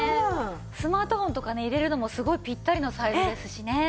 スマートフォンとかね入れるのもすごいピッタリのサイズですしね。